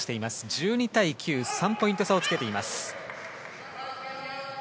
１２対９と３ポイント差をつけています。